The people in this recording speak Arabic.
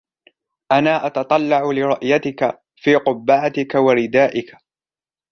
أنا أتتطلع لرؤيتك في قبعتك وردائك.